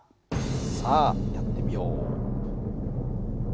さあやってみよう。